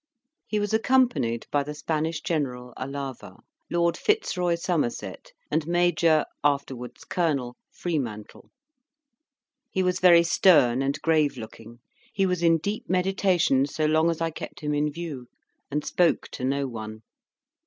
He was accompanied by the Spanish General, Alava, Lord Fitzroy Somerset, and Major, afterwards Colonel Freemantle. He was very stern and grave looking; he was in deep meditation, so long as I kept him in view, and spoke to no one.